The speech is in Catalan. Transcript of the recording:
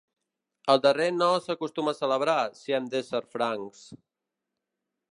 El darrer no s'acostuma a celebrar, si hem d'ésser francs.